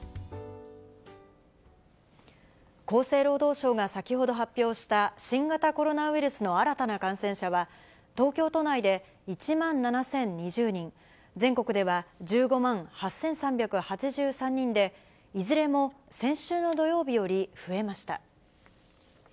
厚生労働省が先ほど発表した、新型コロナウイルスの新たな感染者は、東京都内で１万７０２０人、全国では１５万８３８３人で、いずれも先週の土曜日より増えました。